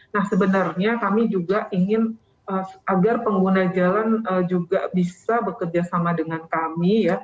nah sebenarnya kami juga ingin agar pengguna jalan juga bisa bekerja sama dengan kami